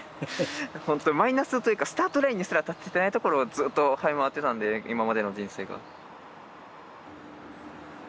ほんとマイナスというかスタートラインにすら立ててないところをずっとはい回ってたので今までの人生が。